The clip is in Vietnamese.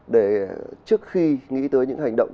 để trước khi nghĩ tới những hành động